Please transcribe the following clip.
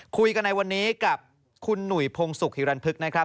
คุยกันในวันนี้กับคุณหนุ่ยพงศุกร์ฮิรันพึกนะครับ